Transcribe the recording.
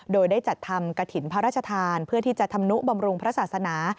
โดยได้จัดทำกระถิ่นพระราชทานเพื่อที่จะทำนุบำรุงพระศาสนา